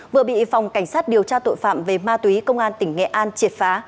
vừa bị phòng cảnh sát điều tra tội phạm về ma túy công an tỉnh nghệ an triệt phá